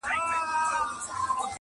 د نیکه او د بابا په کیسو پايي-